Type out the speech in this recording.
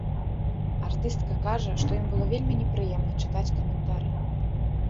Артыстка кажа, што ім было вельмі непрыемна чытаць каментары.